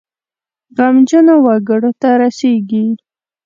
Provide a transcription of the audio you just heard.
غمجنو وګړو ته رسیږي.